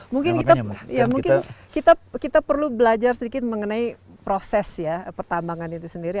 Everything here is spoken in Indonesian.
mungkin kita perlu belajar sedikit mengenai proses ya pertambangan itu sendiri